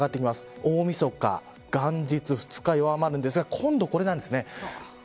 大みそか、元日２日弱まるんですが今度これなんですね。